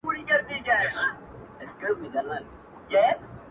نوم مي دي پر هره مرغلره درلیکلی دی -